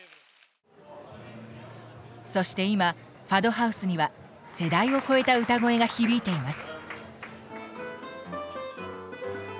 そして今ファドハウスには世代を超えた歌声が響いています。